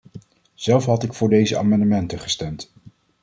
Zelf had ik voor deze amendementen gestemd.